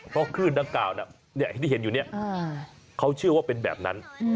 เพราะคลื่นดังกล่าวที่เห็นอยู่เนี่ยเขาเชื่อว่าเป็นแบบนั้น